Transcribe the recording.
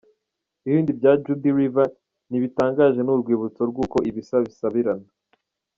Ibi bya Judi Rever ntibitangaje ni urwibutso rw’uko ibisa bisabirana.